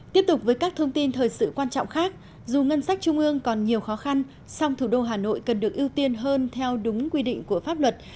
tiếp tục với các thông tin thời sự quan trọng khác dù ngân sách trung ương còn nhiều khó khăn song thủ đô hà nội cần được ưu tiên hơn theo đúng quy định của pháp luật